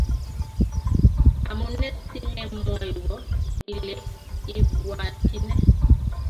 Amune simemwowo Ile ibwatine